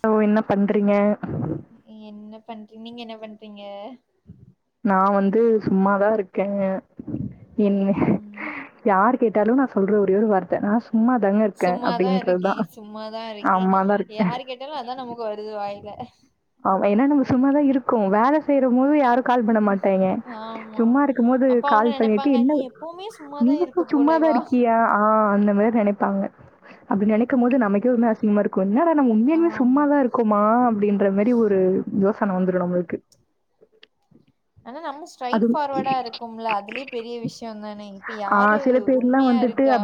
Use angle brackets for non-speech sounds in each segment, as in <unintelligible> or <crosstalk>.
Hello என்ன பண்றீங்க என்ன பண்றீ நீங்க என்ன பண்றீங்க நா வந்து சும்மாதா இருக்கே என் ம் யார் கேட்டாலு நா சொல்ற ஒரே ஒரு வார்த்த நா சும்மாதாங்க இருக்கே சும்மாதா இருக்கே அப்டின்றதுதா சும்மாதா இருக்கே ஆமாதா இருக்கே யாரு கேட்டாலு அதா நமக்கு வருது வாய்ல ஆமா ஏன்னா நம்ம சும்மாதா இருக்கோ வேல செய்யிற போது யாருக்கு கால் பண்ண மாட்டாங்க ஆமா சும்மா இருக்கு போது அப்ப அவங்க கால் பண்ணிட்டு நெனைப்பாங்க நீ என்ன எப்பவுமே சும்மாதா இருக்க நீங்க சும்மாதா போலவா இருக்கியா ஆ அந்த மாரி நெனைப்பாங்க அப்டி நெனைக்கு போது ம் நமக்கே ஒருமே அசிங்கமா என்னடா நம்ம உண்மையிலே ஆமா சும்மாதா இருக்கோமா அப்டின்றமாதி ஒரு யோசன ம். வந்துடு நம்மளுக்கு அனா நம்ம ஸ்ட்ரைட் அதும் ஃபார்வர்டா இருக்கும்ல அதுலய பெரிய விஷயம் தானே இப்ப ஆ யாரு உண்மையா இருக்கா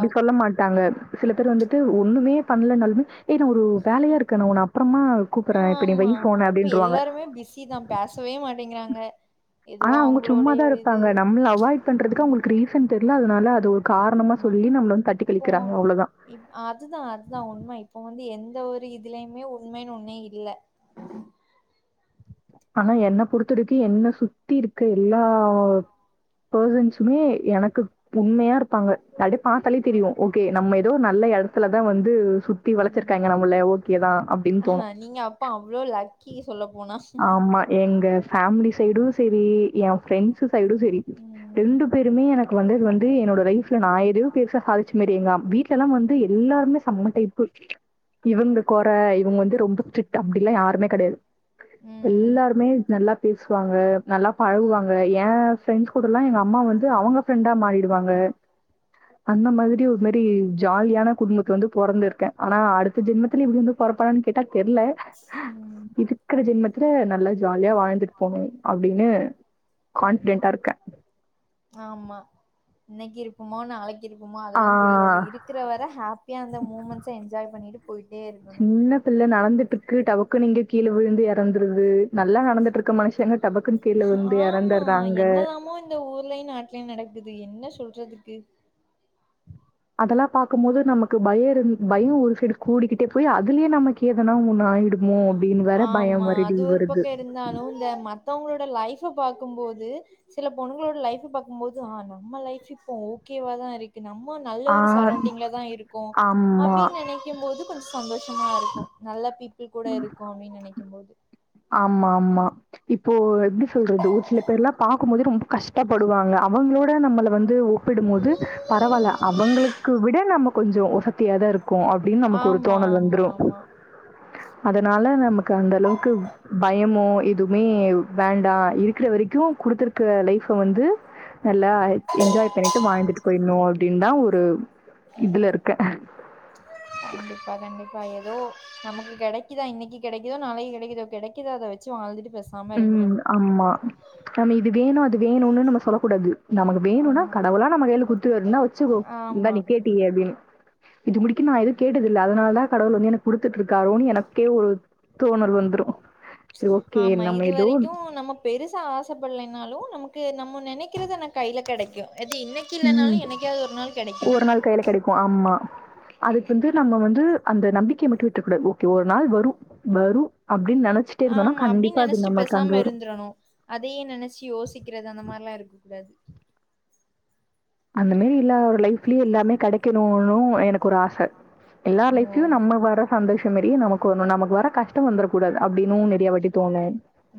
தாங்க சில பேர் வந்துட்டு ஒண்ணுமே பண்ணலனாலுமே ஏன் ஒரு ஏ, வேலையா இருக்கானு அப்புறமா கூப்பிறே இப்ப நீ வய் ஃபோன் அப்டின்ற்வாங்க இப்பயு பிசிதா பேசவே மாட்டேங்கிறாங்க எதுவோ ஆனா அவங்க அவங்களுடைய சும்மாதா இது இருப்பாங்க நம்மள அவாய்ட் பண்றதுக்கு ஆமா அவங்களுக்கு ரீசன் தெர்ல அதனால அது ஒரு காரணமா ஆமா சொல்லி நம்மள தட்டி இப்போ கழிக்ராங்க அவ்ளோதா இப் அதுதா அதுதா உண்மை இப்போ வந்து எந்த ஒரு இதுலயுமே உண்மைன்னு ஒன்னே இல்ல ஆனா என்ன பொருத்துவரைக்கு என்ன சுத்தி இருக்கு எல்லா பர்சன்ஸுமே எனக்கு உண்மையா இருப்பாங்க அப்டி பார்த்தாலே தெரியு ஓகே நம்ம இத் ஏதோ நல்ல எடத்துலதா வந்து சுத்தி ம் வளைச்சிருக்காங்க நம்மள ஓகேதா அப்டின்னு தோணு அப்போ அவ்லோ லேக் கீ சொல்ல போனா ஆமா எங்க ஃபேமிலி சைடு சேரி எ ஃரெண்ட்ஸ் சைடு சேரி ம் ரெண்டு பேருமே எனக் வந்து வந்து என்னோட லைஃப்ல நா எதயோ பெருசா சாதிச்ச மாரி எங்க வீட்ல எல்லா வந்து எல்லாருமே செம்ம டைப்பு இவங்க கொற இவங்க வந்து ரொம்ப ஸ்டரிக்ட் அப்டில்லா யாருமே கிடையாது ம் எல்லாருமே நல்லா பேசுவாங்க நல்லா பழகுவாங்க எ ஃப்ரெண்ட்ஸ் கூட எல்லா எங்க அம்மா வந்து அவங்க ஃப்ரெண்டா மாறிடுவாங்க அந்த மாரி ஒரு மாரி ஜாலியான குடும்பத்துல வந்து பொறந்துருக்கே ஆனா அடுத்த ஜென்மத்துல இப்டி வந்து பொறப்பனானு கேட்டா தெர்ல ம் இருக்குற ஜென்மத்து த்துல நல்லா ஜாலியா வாழ்ந்துட்டு போனு அப்டின்னு கான்ஃபிடென்டா இருக்கே ஆமா இன்னைக்கு இருப்பமோ நாளைக்கு இருப்பமோ ஆ அதெல்லா தெரியாது இருக்கு இருக்கிற வர ஹாப்பியா அந்த மூமெண்ட்ஸ என்ஜாய் பண்ணிட்டு போயிட்டே இருக்கணு சின்ன பிள்ள நடந்துட்டு இருக்கு டவுக்கு இங்க கீழ விழுந்து எறந்துருது நல்லா நடந்துட்டு இருக்க மனுஷங்க டபக்குனு கீழ வந்து எறந்துடுறாங்க அந்த ஊர்லயு நாட்டுலயு நடக்குது என்ன சொல்றதுக்கு அதெல்லா பார்க்கு போது நமக்கு பயோ இரு பயோ ஒரு சைடு கூடிக்கிட் ட்டே போய் அதுலயே நமக்கு எதனா ஒன்னு ஆயிடுமோ அப்டின்னு வேற பயோ மருடி வருது இருந்தாலு இந்த மத்தவங்களோட லைஃப்ப பார்க்கும்போது சில பொண்ணுங்களோட லைஃப் பார்க்குபோது நம்ம லைஃப் இப்போ ஓகேவா தா இருக்கு நம்ம நல்ல ஆ ஒரு சரவுண்டிங்ல தா இருக்கோ ஆமா. அப்டின்னு நினைக்கு போது கொஞ்சோ சந்தோஷ மா இருக்கு நல்ல பீப்பிள் கூட இருக்கோ அப்டின்னு நெனைக்கும்போது ஆமா ஆமா இப்போ எப்டி சொல்றது ஒரு சில பேர் எல்லா பாக்கும் போது ரொம்ப கஷ் டப்படுவாங்க அவங்களோட நம்மள வந்து ஒ ப்பிடும்போது பரவால்ல அவங்களுக்கு விட நம்ம கொஞ்சோ ஒச தியாதா இருக்கு அப்டின்னு நமக்கு ஒரு ஆமா தோணல் ஆமா வந்துடு ஆமா அதனால நமக்கு அந்த அளவுக்கு பயமோ எதுவுமே வேண்டா இருக்குற வரைக்கு குடுத்துரு க லைஃப வந்து நல்லா என்ஜாய் பண்ணிட்டு வாழ்ந்துட்டு போயிருணு அப்டின்தா ஒரு இதுல இருக்க கண்டிப்பா கண்டிப்பா ஏதோ நமக்கு கெடைக்குதா இன்னைக்கு கெடைக்குதோ நாளைக்கு கெடைக்குதோ கெடைக்குறத வெச்சு வாழ்ந்துட்டு பேச் சாம இருந்துரணு ஆம்மா நம்ம இது வேணு அது வேணுனு நம்ம சொல்லக்கூடாது நமக்கு வேணுனா ஆமா கடவுளா நம்ம கையில குத்து இந்தா வெச்சுக்கோ இந்த ஆமா நீ கே ட்டியே அப்டின்னு இது முடிக்கு நா எது கேட்டதில்ல அதனால தா கடவுள் வந்து எனக்கு குடுத்துட்ருக்காரோன்னு எனக்கே ஒரு தோனல் வந்தரு ஓகே ஆமா. நம்ம ஏதோ இதுவரைக்கும் நம்ம பெருசா ஆசப்படலைனாலு நமக்கு நம்ம நெனக்கிறது ஆனா கையில கெடைக்கு அது இன்னை கி ம். இல்லனாலு என்னைக்காது ஒரு நாள் கெடைக்கு கு ஆமா அதுக்கு வந்து நம்ம வந்து அந்த நம்பிக்கைய மட்டு விட்ற கூடாது ஓகே ஒரு நாள் வரு வரு அப்டின் நென ஆமா அப்டின்னு நெனச்சிட்டு பேசாம இருந்துரணு அதையே நெனச்சி யோசிக்கிறது அந்த மாரில்லா இருக்கக் கூடாது அந்த மாரி இல்லா ஒரு லைஃப்லயு எல்லாமே கெடைக்கணுனு எனக் கொரு ஆச எல்லார் ஓ! லைஃப்லயு நம்ம வர சந்தோஷ மாரியே நமக்கு வர்னு நமக்கு வர கஷ்ட வந்துரக் கூடாது அப்டின்னு நெறையா வாட்டி தோணு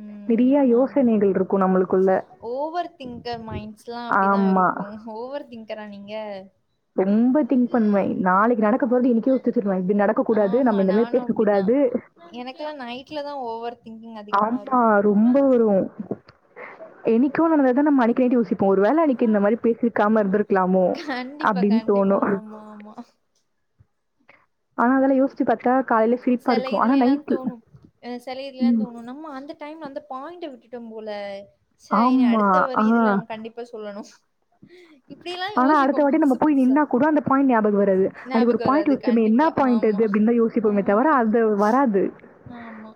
ம். நிறைய ஆமா. யோசனைகள் ருக்கு நம்மளுக்குள்ள ஓவர் திங்கர் மைண்ட்ஸ்லாம் அப்படிதான் ஆமா இருக்கும். ஓவர் திங்கரா நீங்க ரொம்ப திங்க் பண்வே நாளைக்கு நடக்க போறது இன்னிக்கே யோச்சிவெச்சுருவெ இப்டி நடக்கக் கூடாது நம்ம இந்த மாரி பேசக் கூடாது எனக்கெல்லா நைட்ல தா ஓவர் திங்கிங் அதிகமா ஆமா இருக்கு ரொம்ப வரு என்னிக்கோ நடந்தத நம்ம அன்னைக்கு நைட்டு யோசிப்போ ஒரு வேல அன்னைக்கு இந்த மாரி பேசி ம அ இருந்ருக்கலாமோ கண்டிப்பா, அப்டின்னு தோணு கண்டிப்பா. ஆமா, ஆமா. ஆனா அதெல்லா யோச் சிச்சி பாத்தா காலைல சிரிப்பா செல இருக்கு ஆனா இதுல எல்லா நைட்டு ம் ம்மா அந்த டைம் அந்த பாயிண்ட விட்டுட்டோ போல ச இனி ஆமா. அடுத்த வர ஆ. இதுல நம்ம கண்டிப் பா சொல்லணு இப்டிலா ஆனா யோசிப்போ அடுத்த வாட்டி நம்ம புதுசு போய் புதுசா நின்னா கூட அந்த பாயிண்ட் ஞாபக வராது அன்னைக்கு ஒரு ஞாபகோ பாயிண்ட் வராது வி ச்சமே என்னா கண்டிப்பா பாயிண்ட் ஆமா அது அப்டின்னு தா யோசிப்போமே தவிர ஆமா அது வராது ஆமா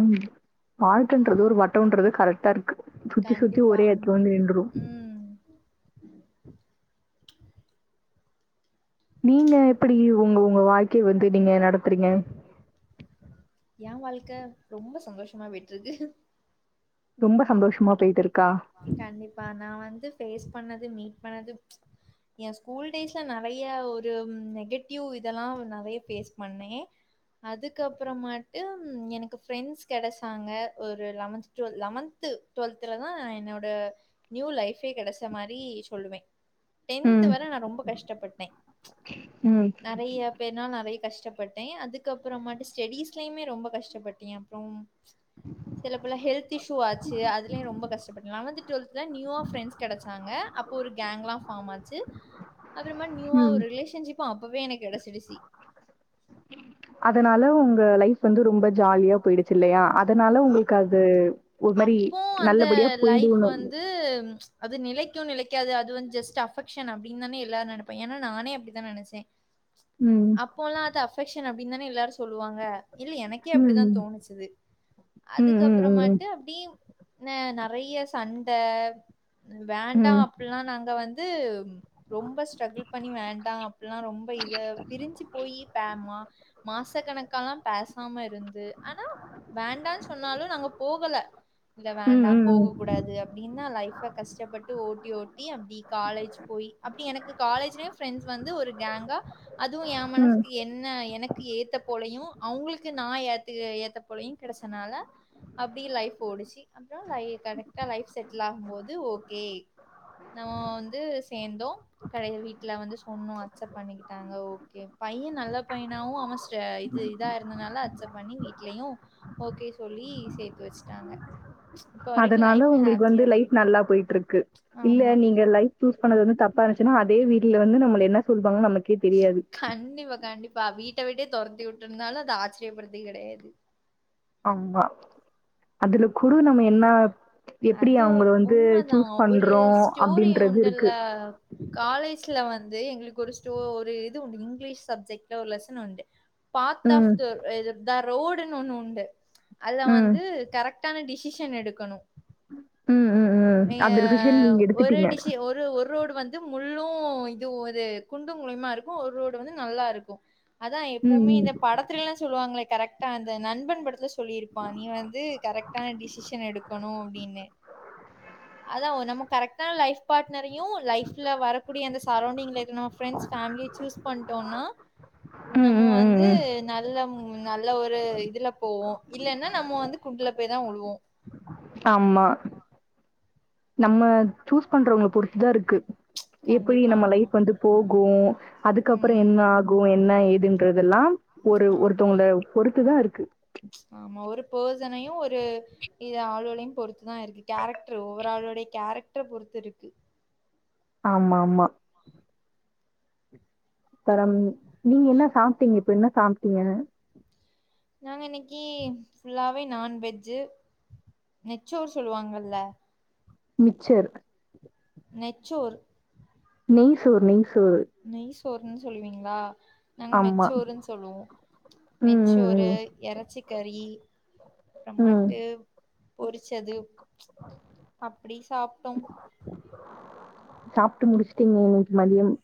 ம் வாழ்க்கன்றது ஒரு வட்டோன்றது கரெக்டா இருக்கு சுத்தி சுத்தி கண்டிப்பா ஒரே ஆமா எடத்துல வந்து நின்று ம் நீங்க எப்டி ஒங்க ஒங்க வாழ்க்கைய வந்து நீங்க நடத்துறீங்க ஏ வாழ்க்க ரொம்ப சந்தோஷமா போய்ட்ருக்கு ரொம்ப சந்தோஷமா போயிட்டுருக்கா கண்டிப்பா நா வந்து ஃபேஸ் பண்ணது மீட் பண்ணது எ ஸ்கூல் டேஸ்ல நறையா ஒரு நெகட்டிவ் இதெல்லா நறையா ஃபேஸ் பண்ணே அதுக்கப்புறமாட்டு எனக்கு ஃப்ரெண்ட்ஸ் கெடச்சாங்க ஒரு லெவன் டுவல் லெவன்த்து டுவெல் த்துல தா என்னோட நியூ லைஃபே கெடச்ச மாரி சொல்லுவே டென்த்து ம். வர நா ரொம்ப கஷ்டப்பட்டே ம். நெறைய அப்பய்னா நா நெறைய கஷ்டப்பட்டே அதுக்கப்ற மாட்டு ஸ்டடிஸ்லயுமே ரொம்ப கஷ்டப்பட்டே அப்றோம் சில பல ஹெல்த் இஸ்யு ஆச்சு அது லயு ரொம்ப கஷ்டப்பட்டே லெவன்த்து டுவல்த்துல நியூவா ஃப்ரண்ட்ஸ் கெடச்சாங்க அப்போ ஒரு கேங்லா ஃபாம் ஆச்சு அப்றமா நியூவா ம். ஒரு ரிலேஷன்ஷிப்பும் அப்பவே எனக்கு கெடச்சிடுச்சி அதனால உங்க லைஃப் வந்து ரொம்ப ஜாலியா போயிடுச்சு இல்லையா அதனால அப் உங்களுக்கு அது து அப்போ அந்த லைஃப் வந்து அது நிலைக்கு நிலைக்காது அது வந்து ஜஸ்ட் அஃபக்ஷன் அப்டின்னு தானே எல்லாரு நெனப்போ ஏன்னா நானே அப்டிதா நெனச்சே ம். அப்பல்லா அது அஃபெக்ஷன் அப்டின்னு தானே எல்லாரு சொல்வாங்க இல்ல எனக்கே அப்டித்தா ம். தோணுச்சுது ம். ம். அதுக்கப்றமாட் ம். அப்டியெ நெறைய சண்ட வேண்டா ம். அப்புல்லா நாங்க வந் து ரொம்ப ஸ்ட்ரகுள் பண்ணி வேண்டா அப்பல்லா ரொம்ப இது பிரிஞ்சு போயி பேமா மாச கணக்கல்லா பேசாம இருந்து ஆனா வேண்டான் சொன்னாலு நாங்க போகல இல்ல ம். ம். வேண்டா ம். போக கூடாது அப்டின்னா லைஃப கஷ்டப்பட்டு ஓட்டி ஓட்டி அப்டி காலேஜ் போய் அப்டி எனக்கு காலேஜ்லயு ஃபிரெண்ட்ஸ் வந்து ஒரு கேங்கா அதுவு ஏ ம். மனசுக்கு என்ன என்ன எனக்கு ஏத்த போலயு அவங்களுக்கு நா ஏத்து ஏத்த போலயு கிடச்சனால அப்டியெ லைஃப் ஓடுச்சு அப்றோ கரெட்டா லைஃப் செட்டில் ஆகும்போது ஓகே நா வந்து சேந்தோ கடைய வீட்ல வந்து சொன்னோ அக்சப்ட் பண்ணிக்கிட்டாங்க ஓகே பையன் நல்ல பையனாவு அவ இது இதா இருந்தனால அக்சப்ட் பண்ணி வீட்லயு ஓகே சொல்லி சேத்து வச்சுட்டாங்க இப்ப வரைக்கும் அதனால லைஃப் உங்ளுக்கு வந்து ஹாப்பியா லைஃப் போயிட்டு நல்லா இருக்கு போய்ட்ருக்கு இல்ல ஆமா நீங்க லைஃப் சூஸ் பண்ணது வந்து தப்பா இருந்துச்சுன்னா அதே வீட்ல வந்து நம்மள என்ன சொல்வாங்க நமக்கு கண்டிப்பா கண்டிப்பா வீட்ட விட்டே தொரத்தி விட்ருந்தாலு அத ஆச்ரியப்படுத்தி கெடையாது அம்மா அதுல குழு நம்ம என்ன எப்படி அது அவங்கள வந்து உண்மதா சூஸ் ஒரு பண்றோம் ஸ்டோரி அப்படின்றது உண்டல்ல இருக்கு. காலே ஜ்ல வந்து எங்களுக்கு ஒரு ஸ்டோ ஒரு இது உண்டு இங்கிலீஷ் சப்ஜெக்ட்ல ஒரு லெசன் உண்டு பார்த் ஆஃப் ம். த த ரோடுன்னு ஒண்ணு உண்டு அதுல ம். வந்து கரெக்ட் டான டிசிஷன் எடுக்கனு ம். ம். ம். ஏ அந்த டிசிஷன் நீங்க ஒரே எடுத்துட்டீங்க. டிஸ்யு ஒரு ஒரு ஒரு ரோடு வந்து முள்ளு இது ஒரு குண்டு குழியுமா ருக்கு ஒரு ரோடு வந்து நல்லா ருக்கு அதா ம். எப்பவுமே ம். இந்த படத்துலல்லா சொல்லுவாங்ளே கரெக்டா அந்த நண்பன் படத்துல சொல்லியிருப்பா நீ வந்து கரெக்டான டிசிஷன் எடுக்கணு அப்டின்னு அதா நம்ம கரெக்டான லைஃப் பாட்னரையு லைஃப்ல வரக்கூடிய அந்த சரௌண்டிங்ல இரு நம்ம ஃபரெண்ட்ஸ் ஃபேமிலி சூஸ் பண்டோனா ம் நம்ம ம் ம் வந்து ம். நல்ல நல்ல ஒரு இதுல போவோ இல்லனா நம்ம வந்து குண்ட்ல போய் தா உழுவோ ஆமா நம்ம சூஸ் பண்றவங்கள பொருத்துதா ருக்கு எப்டி கண்டிப்பா நம்ம ஆமா. லைஃப் வந்து போகு அதுக்கப்ற ம். என்ன கு என்ன ஏதுன்றதல்லா ஒரு ஆமா. ஒருத்தவங்கள பொறுத்துதா இருக்கு ஆமா ஒரு பார்ஜனையு ஒரு ஆளுகளையு பொறுத்துதா இருக்கு கேரக்ட்ரு ஓவராளுடைய கேரக்டர பொறுத்து இருக்கு ஆமாமா அப்பறம் நீங்க என்ன சாப்ட்டீங்க இப்ப என்ன சாப்ட்டீங்க நாங்க இன்னைக்கு ஃபுல்லாவே நான்வெஜ்ஜு நெச்சோர் சொல்வாங்கல்ல மிச்சர் நெச்சோரு நெய்சோர் நெய்சோறு நெய் சோர்ன் சொல்வீங்ளா நாங்க ஆமா. நெச்சோருன் சொல்லுவோ ம் நெச்சோறு ம் ம். எறச்சிக்கறி ம். அப்புறமட்டு பொரிச்சது அப்டி சாப்ட்டோம் சாப்ட்டு முடிச்சிட்டீங்க இன்னைக்கு மதியம்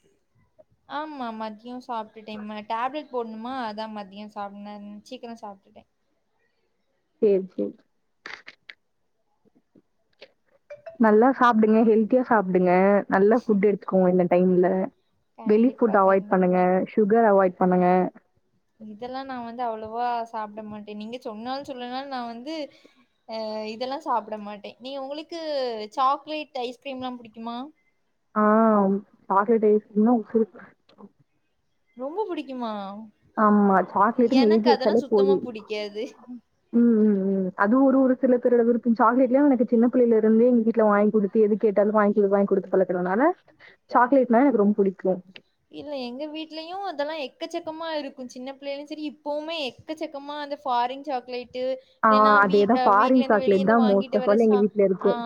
ஆமா மதியோ சாப்ட்டுட்டே ம டேப்லட் போட்ணுமா அதா மதியோ சாப்ட்னன் சீக்ரோ சாப்ட்டுட்டே சேர் சேர் நல்லா சாப்பிடுங்க ஹெல்த்தியா சாப்பிடுங்க நல்லா ஃபுட்டு எடுத்துக்கோ இந்த டைம்ல வெளி கண்டிப்பா ஃபுட் அவாய்ட் பண்ணுங்க கண்டிப்பா சுகர் அவாய்ட் பண்ணுங்க இதெல்லா நா வந்து அவ்ளவா சாப்ட மாட்டே நீங்க சொன்னாலு சொல்லைனாலு நா வந்து அ இதெல்லா சாப்பிட மாட்டே நீ உங்களுக்கு சாக்லேட் ஐஸ்கிரீம்ல்லா புடிக்குமா ஆ சாக்லேட் ஐஸ் க்ரீம்னா உசுரு ரொம்ப புடிக்குமா ஆமா சாக்லேட்டு ஏழ்தி எனக்கு அதெல்லா வெச்சாலே போது சுத்தமா புடிக்காது ம் ம் ம் அது ஒரு ஒரு சில <unintelligible> எழுதறக்கும் சாக்லேட்லியு எனக்கு சின்ன புள்ளைலருந்தே எங்க வீட்ல வாங்கி குடுத்து எது கேட்டாலு வாங்கி கு வாங்கி குடுத்து பழக்கறதுனால சாக்லேட்னா எனக்கு ரொம்ப புடிக்கு இல்ல எங்க வீட்லயு அதெல்லா எக்கச்சக்கமா இருக்கு சின்ன பிள்ளைலியு சரி இப்பவுமே எக்கச்சக்கமா அந்த ஃபாரின் சாக்லேட்டு ஆ இல்லனா அதே வீட்ல தான் அ ஃபாரின் வீட்லருந்து வெளிய சாக்லேட் இருந்து தான் மோஸ்ட் வாங்கிட்டு ஆஃப் வர ஆல் ச எங்க வீட்ல ஆ இருக்கும்.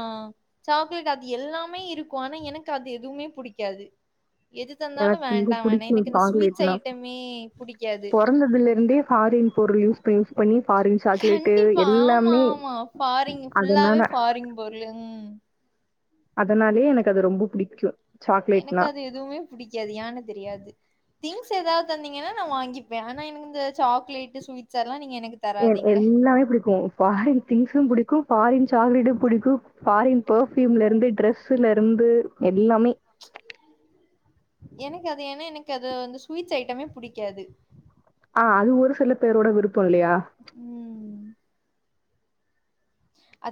சாக்லேட் அது எல்லாமே இருக்கு ஆனா எனக்கு அது எதுமே பிடிக்காது எது எது தந்தாலு எனக்கு வந்து வேண்டா வேண் பிடிக்கும் எனக்கு இந்த ஸ்வீட்ஸ் சாக்லேட்னா. ஐட்டமே புடிக்காது பொறந்ததுலருந்தே ஃபாரின் பொருள் யூஸ் பண்ணி யூஸ் பண்ணி ஃபாரின் சாக்லேட்டு கண்டிப்பா ஆமா எல்லாமே ஆமா ஃபாரின் நீங் ஃபுல்லாவே அதனால ஃபாரின் பொருளுங் அதனாலேயே எனக்கது ரொம்ப புடிக்கு எனக்கு அது எதுவ்மே புடிக்காது ஏனு தெரியாது திங்ஸ் எதாவ்து தந்தீங்கன்னா நா வாங்கிப்பே ஆனா எனக்கு இந்த சாக்லேட்டு ஸ்வீட்ஸெல்லா நீங்க எனக்கு எ தராதீங்க. எல்லாமே புடிக்கு ஃபாரின் திங்க்ஸு புடிக்கு ஃபாரின் சாக்லேட்டு புடிக்கு ஃபாரின் பெர்ஃயூம்லருந்து ட்ரெஸ்ல இருந்து எல்லாமே எனக்கு அது ஏனா எனக்கு அது வந்து ஸ்வீட்ஸ் ஐட்டமே புடிக்காது ஆ அது ஒரு சில பேரோட விருப்போ இல்லயா அ